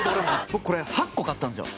僕これ８個買ったんですよ。